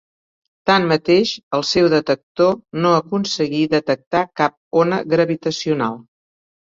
Tanmateix el seu detector no aconseguí detectar cap ona gravitacional.